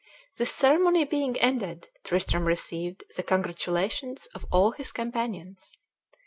This ceremony being ended, Tristram received the congratulations of all his companions.